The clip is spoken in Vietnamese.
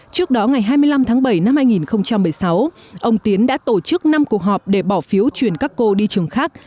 trước đó ngày hai mươi năm tháng bảy năm hai nghìn một mươi sáu ông tiến đã tổ chức năm cuộc họp để bỏ phiếu chuyển các cô đi trường khác